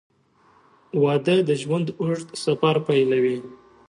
• واده د ژوند اوږد سفر پیلوي.